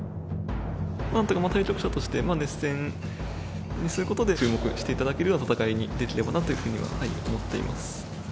なんとか対局者として熱戦にすることで、注目がしていただけるような戦いにできればなというふうには思っています。